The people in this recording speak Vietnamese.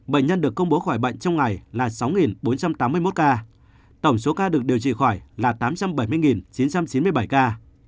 bệnh nhân được công bố khỏi bệnh trong ngày là sáu bốn trăm tám mươi một ca tổng số ca được điều trị khỏi là tám trăm bảy mươi chín trăm chín mươi bảy ca